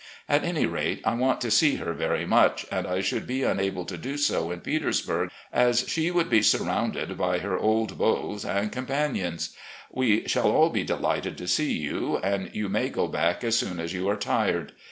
At any rate, I want to see her very much, and I should be unable to do so in Petersburg, as she would be surrounded by her old beaux and com panions. ... We shall all be delighted to see you, and you may go back as soon as you are tired.